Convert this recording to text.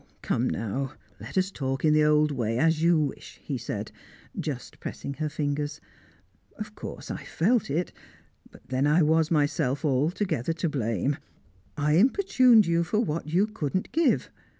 "Come now, let us talk in the old way, as you wish," he said, just pressing her fingers. "Of course I felt it but then I was myself altogether to blame. I importuned you for what you couldn't give.